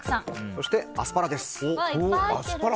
そしてアスパラです。